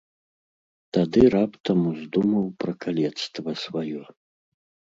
Тады раптам уздумаў пра калецтва сваё.